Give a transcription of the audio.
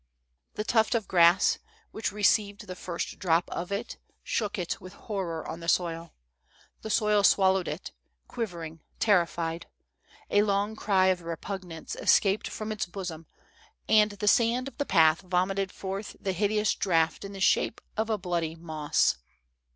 " The tuft of grass, which received the first drop of it, shook it with horror on the soil. The soil swallowed it, quivering, terrified ; a long cry of repugnance escaped from its bosom, and the sand of the path vomited forth the hideous draught in the shape of bloody moss.